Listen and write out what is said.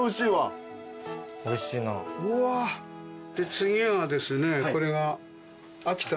次はですねこれが。